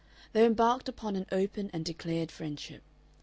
They embarked upon an open and declared friendship.